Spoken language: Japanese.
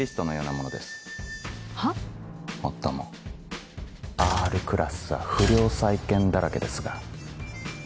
もっともＲクラスは不良債権だらけですが。